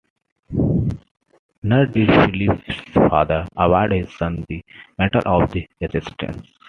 Nor did Philippe's father award his son the medal of the Resistance.